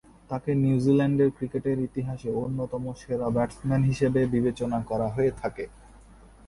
তাকে নিউজিল্যান্ডের ক্রিকেটের ইতিহাসে অন্যতম সেরা ব্যাটসম্যান হিসেবে বিবেচনা করা হয়ে থাকে।